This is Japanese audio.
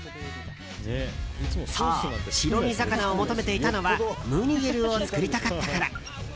そう、白身魚を求めていたのはムニエルを作りたかったから。